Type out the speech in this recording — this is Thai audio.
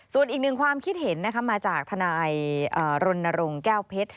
ส่วนอีกหนึ่งความคิดเห็นมาจากทนายรณรงค์แก้วเพชร